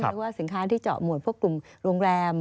หรือว่าสินค้าที่เจาะหมวดพวกกลุ่มโรงแรม